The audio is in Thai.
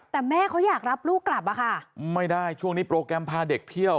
แต่แม่เขาอยากรับลูกกลับอะค่ะไม่ได้ช่วงนี้โปรแกรมพาเด็กเที่ยว